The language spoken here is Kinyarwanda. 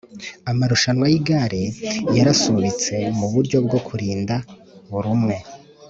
Amarushanwa yigare yarasubitse muburyo bwo kurinda burumwe